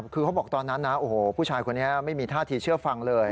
คือเขาบอกตอนนั้นนะโอ้โหผู้ชายคนนี้ไม่มีท่าทีเชื่อฟังเลย